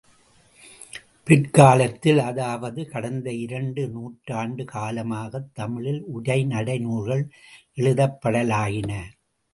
பிற்காலத்தில் அதாவது கடந்த இரண்டு நூற்றாண்டு காலமாகத் தமிழில் உரைநடை நூல்கள் எழுதப்படலாயின.